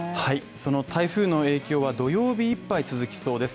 その台風の影響は土曜日いっぱい続きそうです。